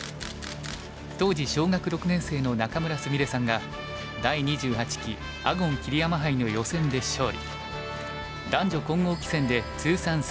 当時小学６年生の仲邑菫さんが第２８期阿含・桐山杯の予選で勝利。